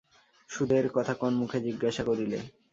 সুদের কথা কোন মুখে জিজ্ঞাসা করিলে?